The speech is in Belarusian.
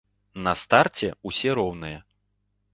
На старце ўсе роўныя.